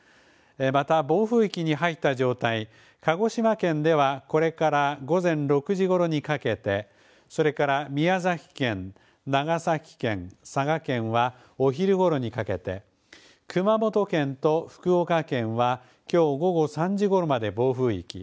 また、暴風域に入った状態、鹿児島県では、これから、午前６時頃にかけて、それから、宮崎県、長崎県、佐賀県はお昼ごろにかけて、熊本県と福岡県は、きょう午後３時ごろまで暴風域。